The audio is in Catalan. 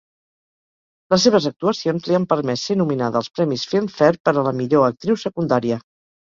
Les seves actuacions li han permès ser nominada als premis Filmfare per a la millor actriu secundària.